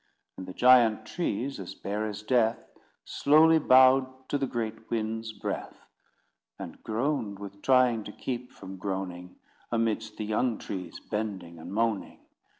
And the giant trees, as bare as Death, Slowly bowed to the great Wind's breath; And groaned with trying to keep from groaning Amidst the young trees bending and moaning.